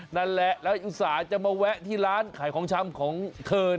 นั่นแหละแล้วอุตส่าห์จะมาแวะที่ร้านขายของชำของเธอ